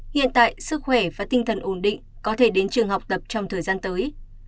hiện tại sức khỏe và tinh thần ổn định có thể đến trường học tập trong thời gian tới